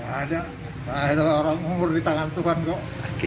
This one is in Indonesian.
tidak ada ada orang umur di tangan tuhan kok